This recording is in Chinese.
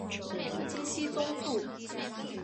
金熙宗父。